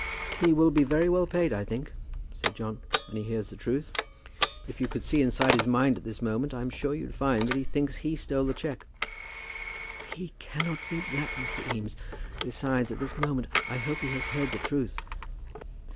"He will be very well paid, I think," said John, "when he hears the truth. If you could see inside his mind at this moment, I'm sure you'd find that he thinks he stole the cheque." "He cannot think that, Mr. Eames. Besides, at this moment I hope he has heard the truth."